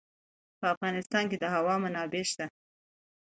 په افغانستان کې د هوا منابع شته.